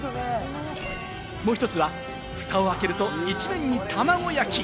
もう１つはふたを開けると一面にたまご焼き！